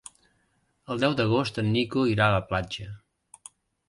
El deu d'agost en Nico irà a la platja.